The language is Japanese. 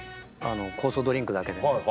酵素ドリンクだけで。